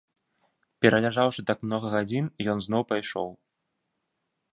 Пераляжаўшы так многа гадзін, ён зноў пайшоў.